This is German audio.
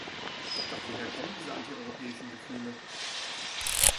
Doch woher kommen diese antieuropäischen Gefühle?